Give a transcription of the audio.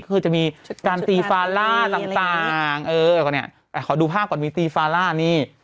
คือจะมีการตีฟาล่าต่างขอดูภาพก่อนมีตีฟาล่านี่